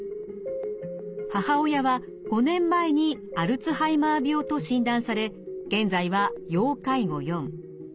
母親は５年前にアルツハイマー病と診断され現在は要介護４。